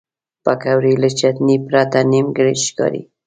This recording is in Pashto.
پکورې له چټنې پرته نیمګړې ښکاري